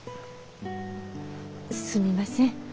すみません。